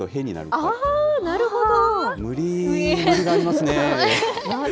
あー、なるほど。